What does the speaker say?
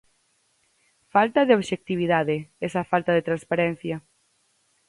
Falta de obxectividade, esa falta de transparencia.